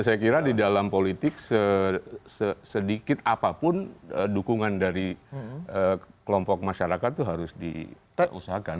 saya kira di dalam politik sedikit apapun dukungan dari kelompok masyarakat itu harus diusahakan